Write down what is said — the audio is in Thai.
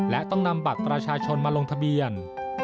และต้องนำบัตรประชาชนมาลงทะเบียน